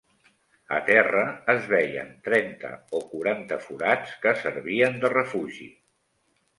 A terra es veien trenta o quaranta forats que servien de refugi